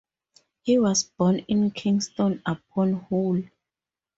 He was born in Kingston upon Hull.